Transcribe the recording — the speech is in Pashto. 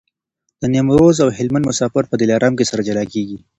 د نیمروز او هلمند مسافر په دلارام کي سره جلا کېږي.